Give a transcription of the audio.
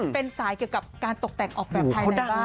เป็นสายเกี่ยวกับการตกแต่งออกแบบภายในบ้าน